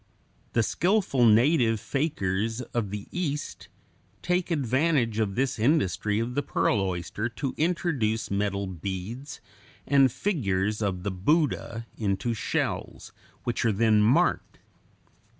The skillful native fakirs of the East take advantage of this industry of the pearl oyster to introduce metal beads and figures of the Buddha into shells, which are then marked.